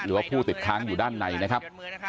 หรือว่าผู้ติดค้างอยู่ด้านในนะครับ